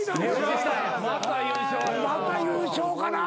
また優勝かな？